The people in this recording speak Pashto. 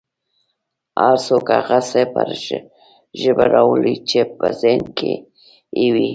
هر څوک هغه څه پر ژبه راوړي چې په ذهن کې یې وي